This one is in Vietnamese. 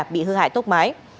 bị hư hại tốc mái